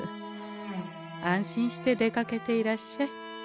安心して出かけていらっしゃい。